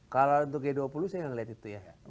kalau untuk g dua puluh saya nggak melihat itu ya